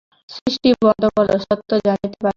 সৃষ্টি বন্ধ কর, সত্য জানিতে পারিবে।